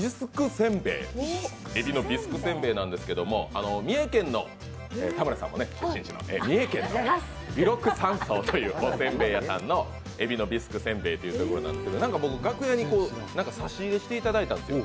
こちら、海老のビスクせんべいなんですけども、三重県の、田村さんも出身地の三重県の美鹿山荘というおせんべい屋さんの海老のビスクせんべいなんですけれども、僕、楽屋に差し入れしていただいたんですよ。